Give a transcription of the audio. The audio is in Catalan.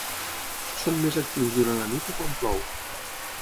Són més actius durant la nit i quan plou.